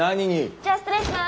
じゃあ失礼します。